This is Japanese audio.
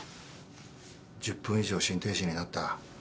１０分以上心停止になった。